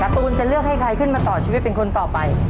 ตูนจะเลือกให้ใครขึ้นมาต่อชีวิตเป็นคนต่อไป